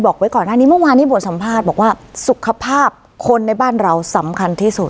ไว้ก่อนหน้านี้เมื่อวานที่บทสัมภาษณ์บอกว่าสุขภาพคนในบ้านเราสำคัญที่สุด